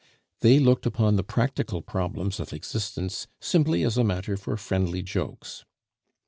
They looked upon the practical problems of existence simply as matter for friendly jokes.